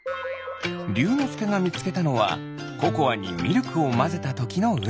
りゅうのすけがみつけたのはココアにミルクをまぜたときのうず。